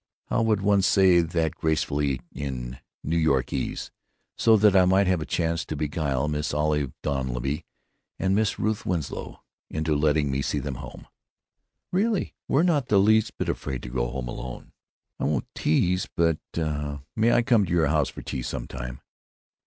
How would one say that gracefully in New Yorkese, so that I might have the chance to beguile Miss Olive Dunleavy and Miss Ruth Winslow into letting me see them home?" "Really, we're not a bit afraid to go home alone." "I won't tease, but——May I come to your house for tea, some time?"